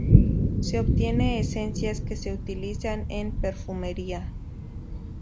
Se obtienen esencias que se utilizan en perfumería.